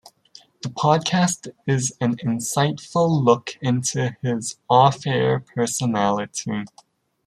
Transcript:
The podcast is an insightful look into his off-air personality.